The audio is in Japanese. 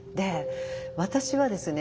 私はですね